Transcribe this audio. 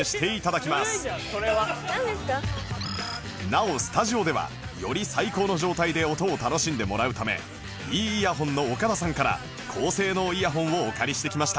なおスタジオではより最高の状態で音を楽しんでもらうため ｅ☆ イヤホンの岡田さんから高性能イヤホンをお借りしてきました